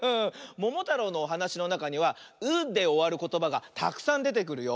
「ももたろう」のおはなしのなかには「う」でおわることばがたくさんでてくるよ。